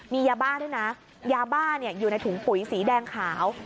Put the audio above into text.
มียาบ้าด้วยนะยาบ้าอยู่ในถุงปุ๋ยสีแดงขาว